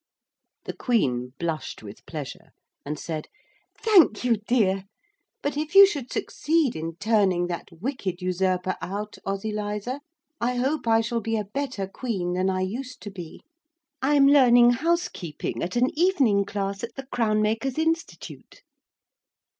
The Queen blushed with pleasure, and said, 'Thank you, dear. But if you should succeed in turning that wicked usurper out, Ozyliza, I hope I shall be a better queen than I used to be. I am learning housekeeping at an evening class at the Crown maker's Institute.'